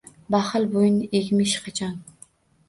Baxil bo’yin egmish qachon